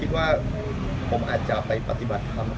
คิดว่าผมอาจจะไปปฏิบัติคำครับ